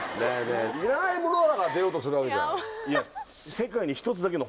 いらない物だから出ようとするわけじゃん。